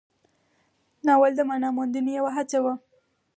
ناول د معنا موندنې یوه هڅه وه.